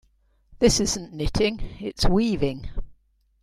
This isn't knitting, its weaving.